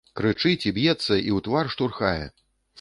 Крычыць, і б'ецца, і ў твар штурхае.